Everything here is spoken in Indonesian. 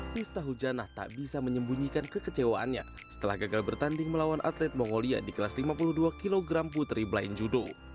miftah hujanah tak bisa menyembunyikan kekecewaannya setelah gagal bertanding melawan atlet mongolia di kelas lima puluh dua kg putri blind judo